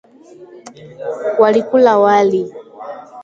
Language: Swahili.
Walikula wali.